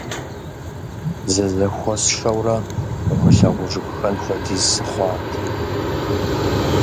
Зызэхуэсшэурэ, умылъагъужыххэн хуэдиз сыхъуат.